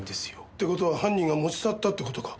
って事は犯人が持ち去ったって事か？